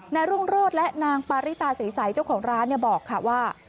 นายรุ่งโรดและนางปาริตาสีใสเจ้าของร้านเนี่ยบอกค่ะว่า